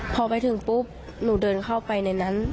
พอไปถึงปุ๊บหนูเดินเข้าไปในนั้น